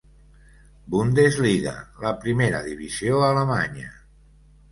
Bundesliga, la primera divisió alemanya.